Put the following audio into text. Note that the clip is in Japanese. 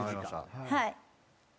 はい。